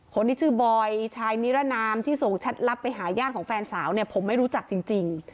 คนที่ชื่อบอยชายนิรนามที่ส่งแชทลับไปหาญาติของแฟนสาวเนี่ยผมไม่รู้จักจริง